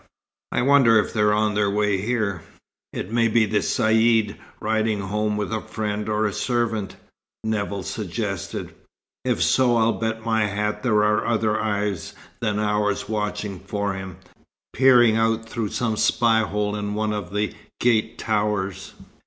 I wonder if they're on their way here!" "It may be the Caïd, riding home with a friend, or a servant," Nevill suggested. "If so, I'll bet my hat there are other eyes than ours watching for him, peering out through some spy hole in one of the gate towers."